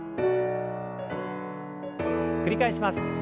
繰り返します。